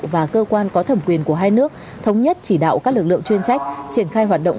và cơ quan có thẩm quyền của hai nước thống nhất chỉ đạo các lực lượng chuyên trách triển khai hoạt động